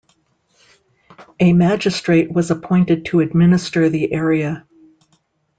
A magistrate was appointed to administer the area.